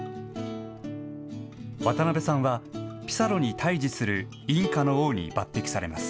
渡辺さんはピサロに対じするインカの王に抜てきされます。